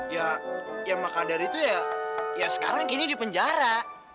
ya ya makadar itu ya ya sekarang kendy di penjara